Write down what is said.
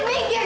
min diam kamu